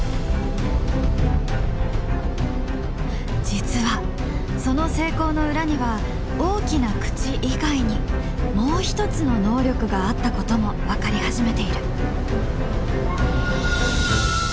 実はその成功の裏には大きな口以外にもうひとつの能力があったことも分かり始めている。